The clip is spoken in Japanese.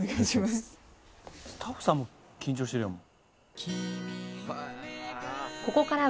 「スタッフさんも緊張してるやん」